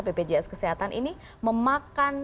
bpjs kesehatan ini memakan